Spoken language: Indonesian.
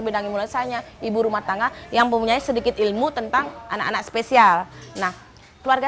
bidang ilmu saya ibu rumah tangga yang mempunyai sedikit ilmu tentang anak anak spesial nah keluarga